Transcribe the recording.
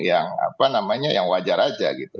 yang apa namanya yang wajar aja gitu